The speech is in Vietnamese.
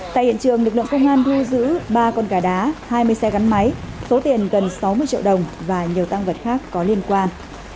tại hiện trường lực lượng công an thu giữ ba con gà đá hai mươi xe gắn máy số tiền gần sáu mươi triệu đồng và nhiều tăng vật khác có liên quan